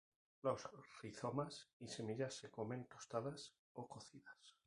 Los rizomas y semillas se comen tostadas o cocidas.